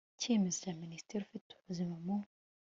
cyemezo cya Minisitiri ufite ubuzima mu